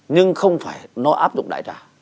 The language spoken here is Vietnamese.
nhưng không phải nó áp dụng đại trả